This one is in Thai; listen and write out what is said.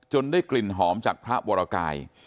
ได้กลิ่นหอมจากพระวรกาย